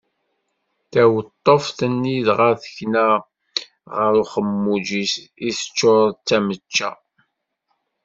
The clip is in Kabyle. Taweṭṭuft-nni dɣa tekna, ɣer uxemmuj-is i teččur d tamečča.